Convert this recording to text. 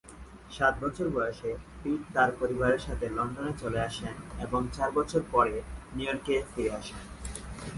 সাত বছর বয়সে, পিট তার পরিবারের সাথে লন্ডনে চলে আসেন এবং চার বছর পরে নিউ ইয়র্কে ফিরে আসেন।